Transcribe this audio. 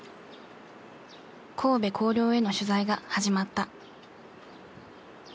神戸弘陵への取材が始まった。